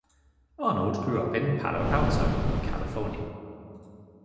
Arnold grew up in Palo Alto, California.